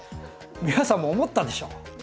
皆さんも思ったんでしょ？